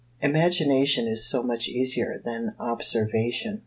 Imagination is so much easier than observation.